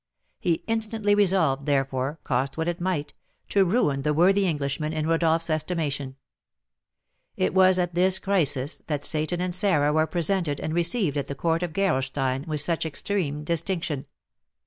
He instantly resolved, therefore, cost what it might, to ruin the worthy Englishman in Rodolph's estimation. It was at this crisis that Seyton and Sarah were presented and received at the court of Gerolstein with such extreme distinction.